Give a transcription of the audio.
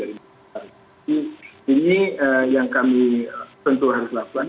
ini yang kami tentu harus lakukan